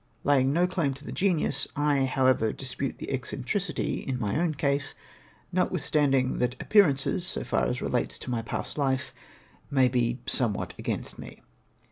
Laying no claim to the genius, I however dispute the eccentricity in my own case, notwithstanding that appearances, so far as relates to my past hfe, may be somewhat against me.